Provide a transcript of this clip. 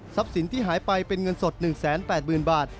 สินที่หายไปเป็นเงินสด๑๘๐๐๐บาท